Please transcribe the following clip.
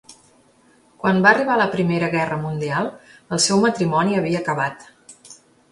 Quan va arribar la Primera Guerra Mundial, el seu matrimoni havia acabat.